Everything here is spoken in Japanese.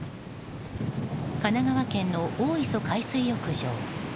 神奈川県の大磯海水浴場。